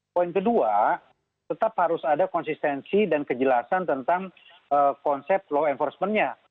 poin kedua tetap harus ada konsistensi dan kejelasan tentang konsep law enforcement nya